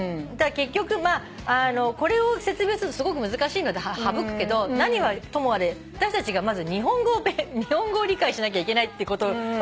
結局これを説明するとすごく難しいので省くけど何はともあれあたしたちがまず日本語を理解しなきゃいけないってことは分かったんだけど。